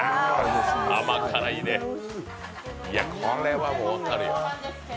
甘辛いね、これはもう分かるよ。